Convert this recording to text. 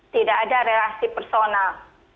tidak ada relasi personal